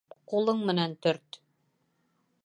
Ҡулың менән төрт.